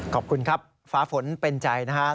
ขอบคุณครับฟ้าฝนเป็นใจนะครับ